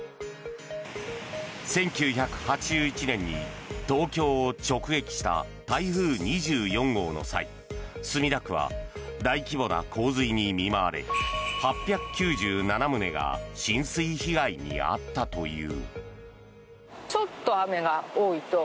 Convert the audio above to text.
１９８１年に東京を直撃した台風２４号の際墨田区は大規模な洪水に見舞われ８９７棟が浸水被害に遭ったという。